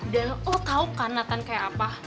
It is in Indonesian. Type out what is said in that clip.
dan lo tau kan nathan kayak apa